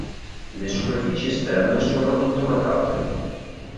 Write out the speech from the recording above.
Le superfici esterne sono intonacate.